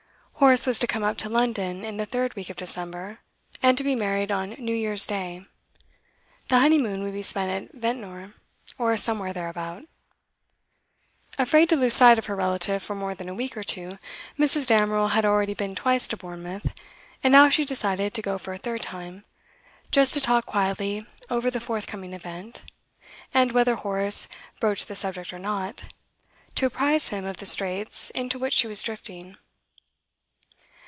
Horace was to come up to London in the third week of December, and to be married on New Year's Day; the honeymoon would be spent at Ventnor, or somewhere thereabout. Afraid to lose sight of her relative for more than a week or two, Mrs. Damerel had already been twice to Bournemouth, and now she decided to go for a third time, just to talk quietly over the forthcoming event, and, whether Horace broached the subject or not, to apprise him of the straits into which she was drifting.